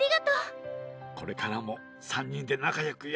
これからも３にんでなかよくやっていこうな。